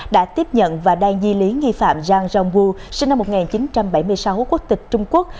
đã tiếp nhận và đang di lý nghi phạm zhang zhonggu sinh năm một nghìn chín trăm bảy mươi sáu quốc tịch trung quốc